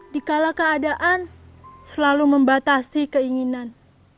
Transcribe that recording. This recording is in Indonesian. dikala keadaan selalu membatasi keinginan